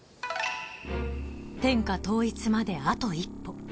［天下統一まであと一歩］